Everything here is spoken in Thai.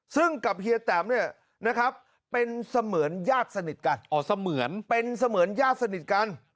ซึ่งกับเฮียแตมเนี่ยนะครับเป็นเสมือนญาติสนิทกันอ๋อเสมือนเป็นเสมือนญาติสนิทกัน